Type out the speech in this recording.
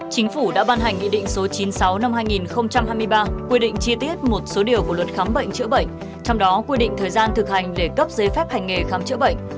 chính phủ đã ban hành nghị định số chín mươi sáu năm hai nghìn hai mươi ba quy định chi tiết một số điều của luật khám bệnh chữa bệnh trong đó quy định thời gian thực hành để cấp giấy phép hành nghề khám chữa bệnh